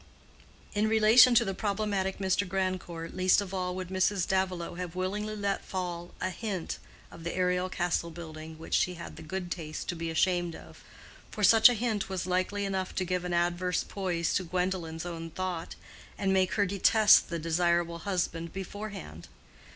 In relation to the problematic Mr. Grandcourt least of all would Mrs. Davilow have willingly let fall a hint of the aerial castle building which she had the good taste to be ashamed of; for such a hint was likely enough to give an adverse poise to Gwendolen's own thought, and make her detest the desirable husband beforehand.